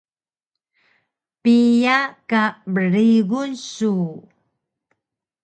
Piya ka brigun su?